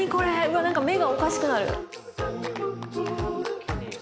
わなんか目がおかしくなる。